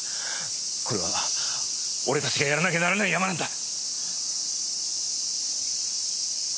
これは俺たちがやらなきゃならないヤマなんだ。